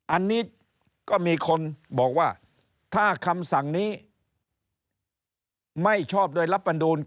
อันนี้ก็มีคนบอกว่าถ้าคำสั่งนี้ไม่ชอบโดยรับประดูล